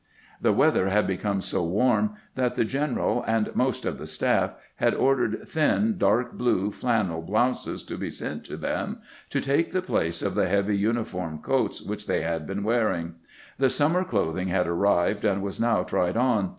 The weather had become so warm that the general and most of the staff had ordered thin, dark blue flan nel blouses to be sent to them to take the place of the heavy uniform coats which they had been wearing. The summer clothing had arrived, and was now tried on.